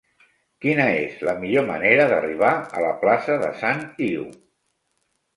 Quina és la millor manera d'arribar a la plaça de Sant Iu?